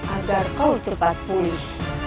agar kau cepat pulih